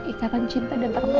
ikatan cinta dan perempuan